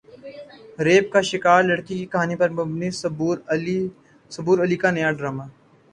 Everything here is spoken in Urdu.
ریپ کا شکار لڑکی کی کہانی پر مبنی صبور علی کا نیا ڈراما